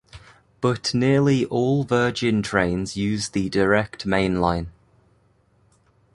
But nearly all Virgin trains use the direct main line.